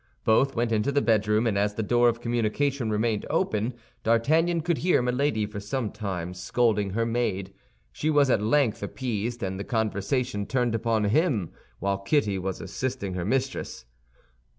Both went into the bedroom, and as the door of communication remained open, D'Artagnan could hear Milady for some time scolding her maid. She was at length appeased, and the conversation turned upon him while Kitty was assisting her mistress.